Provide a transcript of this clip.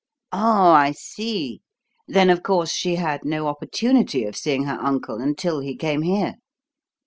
"Oh, I see. Then of course she had no opportunity of seeing her uncle until he came here?"